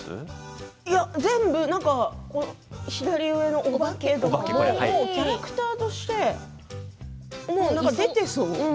左上のお化けとかもキャラクターとして出てそう。